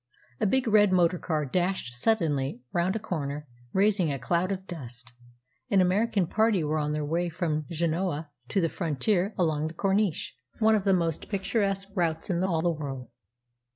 A big red motor car dashed suddenly round a corner, raising a cloud of dust. An American party were on their way from Genoa to the frontier along the Corniche, one of the most picturesque routes in all the world.